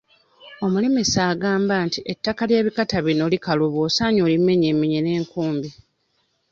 Omulimisa agamba nti ettaka ly'ebikata bino likaluba osaanye olimenyeemenye n'enkumbi.